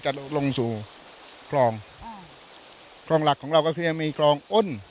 ลงสู่คลองอ่าคลองหลักของเราก็คือยังมีคลองอ้น